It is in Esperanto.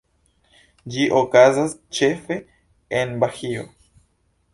Ĝi okazas ĉefe en Bahio.